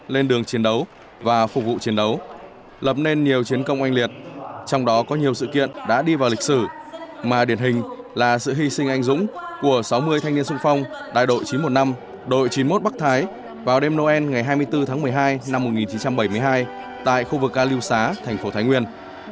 lên đường chiến đấu và phục vụ chiến đấu lập nên nhiều chiến công oanh liệt trong đó có nhiều sự kiện đã đi vào lịch sử mà điển hình là sự hy sinh anh dũng của sáu mươi thanh niên sung phong đại đội chín trăm một mươi năm đội chín mươi một bắc thái vào đêm noel ngày hai mươi bốn tháng một mươi hai năm một nghìn chín trăm bảy mươi hai tại khu vực ga liêu xá thành phố thái nguyên